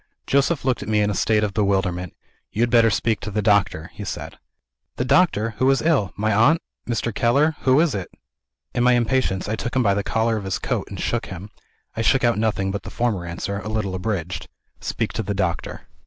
Joseph looked at me in a state of bewilderment. "You had better speak to the doctor," he said. "The doctor! Who is ill? My aunt? Mr. Keller? Who is it?" In my impatience, I took him by the collar of his coat, and shook him. I shook out nothing but the former answer, a little abridged: "Speak to the doctor."